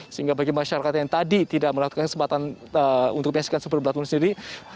sehingga bagi masyarakat yang tadi tidak melakukan kesempatan untuk menyaksikan super blood moon sendiri